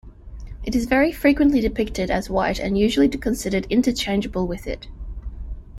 It is very frequently depicted as white and usually considered interchangeable with it.